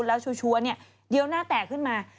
แล้วชัวร์เยี้ยวหน้าแตกขึ้นมา